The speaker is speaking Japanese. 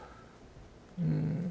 うん。